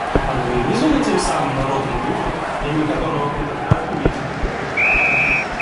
Оно не вызвано тем самым народным духом, во имя которого вы так ратуете?